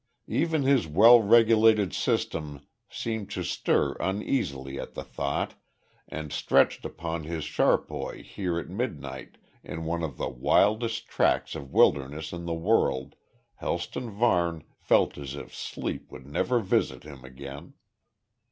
Even his well regulated system seemed to stir uneasily at the thought, and stretched upon his charpoy here at midnight in one of the wildest tracts of wilderness in the world, Helston Varne felt as if sleep would never visit him again.